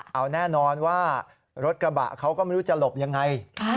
เอาแน่นอนว่ารถกระบะเขาก็ไม่รู้จะหลบยังไง